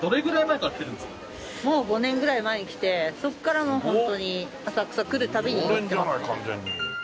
もう５年ぐらい前に来てそこからもうホントに浅草来る度に寄ってますね。